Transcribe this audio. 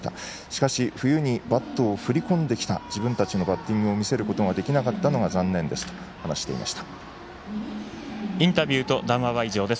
しかし冬にバットを振り込んできた自分たちのバッティングを見せることができなかったのがインタビューと談話は以上です。